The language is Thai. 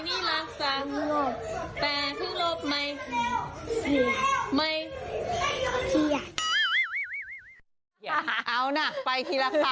เอาน่ะไปทีละคำเดี๋ยวก็ได้เองนะ